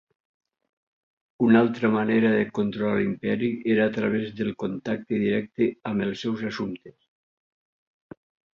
Una altra manera de controlar l'Imperi era a través del contacte directe amb els seus assumptes.